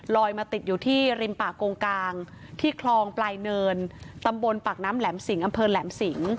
มาติดอยู่ที่ริมป่ากงกลางที่คลองปลายเนินตำบลปากน้ำแหลมสิงอำเภอแหลมสิง